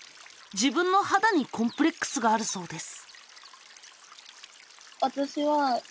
自分の肌にコンプレックスがあるそうです。